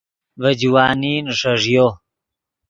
ڤے جوانی نیݰݱیو